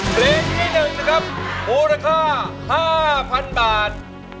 เพลงที่๑นะครับมูลค่า๕๐๐๐บาท